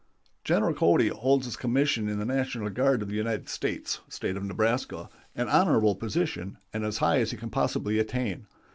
] General Cody holds his commission in the National Guard of the United States (State of Nebraska), an honorable position, and as high as he can possibly attain.